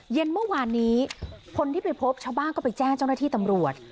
เย็นเมื่อวานนี้คนที่ไปพบชาวบ้านก็ไปแจ้งเจ้าหน้าที่ตำรวจ